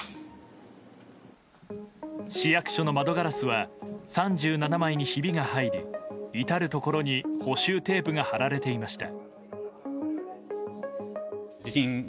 市役所の窓ガラスは３７枚にひびが入り至るところに補修テープが貼られていました。